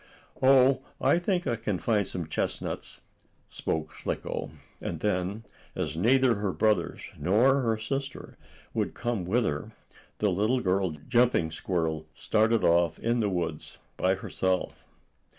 "Oh, I think I can find some chestnuts," spoke Slicko, and then, as neither her brothers nor her sister would come with her, the little girl jumping squirrel started off in the woods by herself.